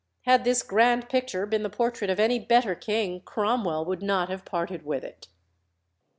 Had this grand picture been the portrait of any better king, Cromwell would not have parted with it.